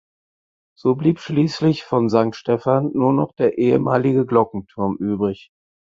So blieb schließlich von Sankt Stefan nur noch der ehemalige Glockenturm übrig.